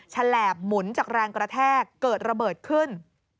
ฉลาบหมุนจากแรงกระแทกเกิดระเบิดขึ้น